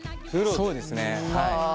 そうですねはい。